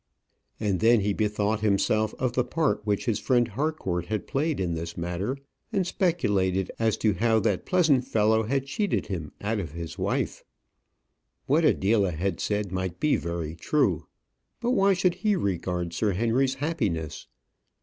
And then he bethought himself of the part which his friend Harcourt had played in this matter, and speculated as to how that pleasant fellow had cheated him out of his wife. What Adela had said might be very true, but why should he regard Sir Henry's happiness?